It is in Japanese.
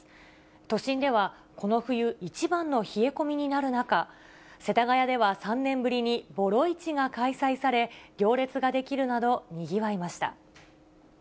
都心では、この冬一番の冷え込みになる中、世田谷では３年ぶりにボロ市が開催され、行列が出来るなど、にぎわいました。